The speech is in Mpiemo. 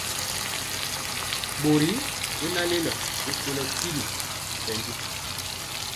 Bori y naŋ lelo rikolo tyigi nkɛndi.